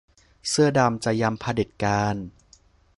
เสื้อดำจะยำเผด็จการ